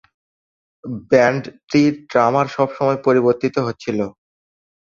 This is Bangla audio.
ব্যান্ডটির ড্রামার সবসময়ই পরিবর্তিত হচ্ছিল।